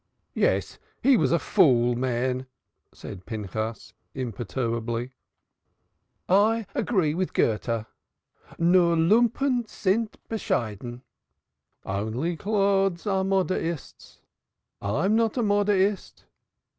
"Yes, he was a fool man," said Pinchas imperturbably. "I agree with Goethe nur Lumpen sind bescheiden, only clods are modaist. I am not modaist.